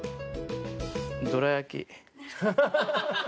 どら焼き。